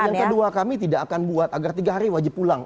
yang kedua kami tidak akan buat agar tiga hari wajib pulang